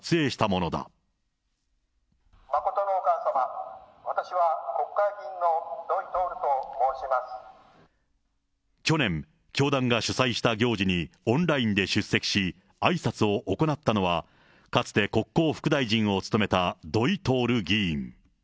真のお母様、去年、教団が主催した行事にオンラインで出席し、あいさつを行ったのは、かつて国交副大臣を務めた土井亨議員。